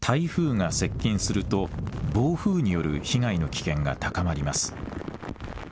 台風が接近すると暴風による被害の危険が高まります。